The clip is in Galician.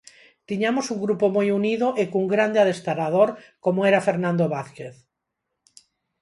Tiñamos un grupo moi unido e cun grande adestrador, como era Fernando Vázquez.